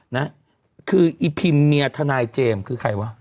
นะคืออีพิมเมียทนายเจมส์คือใครวะ